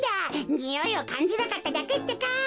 においをかんじなかっただけってか！